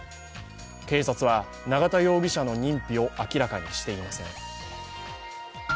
警察は永田容疑者の認否を明らかにしていません。